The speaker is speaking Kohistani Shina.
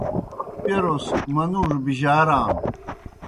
پیْروْس منُوڙوْ بِجارانوْ۔